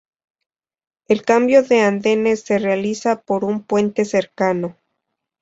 El cambio de andenes se realiza por un puente cercano.